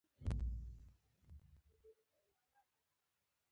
مشروطه وال پرې اعتراض کوي.